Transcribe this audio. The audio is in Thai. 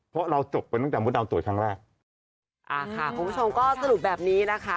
เพราะเราจบไปตั้งแต่มดดำตรวจครั้งแรกอ่าค่ะคุณผู้ชมก็สรุปแบบนี้นะคะ